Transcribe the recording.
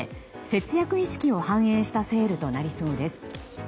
節約意識を反映したセールとなりそうです。